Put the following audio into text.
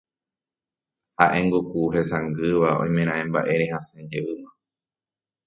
Ha'éngo ku hesangýva oimeraẽ mba'ére hasẽjeýma